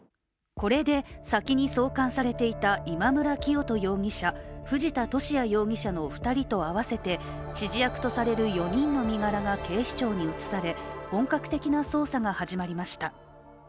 これで、先に送還されていた今村磨人容疑者、藤田聖也容疑者の２人と合わせて指示役とされる４人の身柄が警視庁に移され本格的な捜査が始まりました。